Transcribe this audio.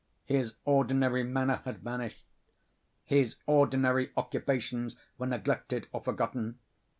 His ordinary manner had vanished. His ordinary occupations were neglected or forgotten.